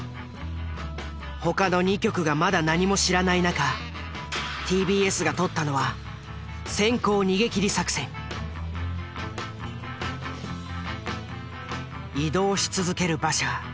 他の２局がまだ何も知らない中ＴＢＳが取ったのは移動し続ける馬車。